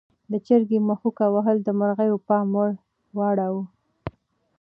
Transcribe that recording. د چرګې مښوکه وهل د مرغیو پام ور واړاوه.